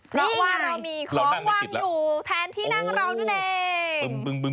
เพราะว่าเรามีของวางอยู่แทนที่นั่งเรานั่นเอง